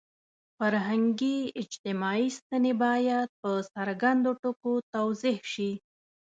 فرهنګي – اجتماعي ستنې باید په څرګندو ټکو توضیح شي.